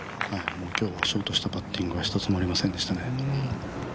今日はショートしたパッティングは１つもありませんでしたね。